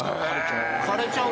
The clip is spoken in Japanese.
枯れちゃう？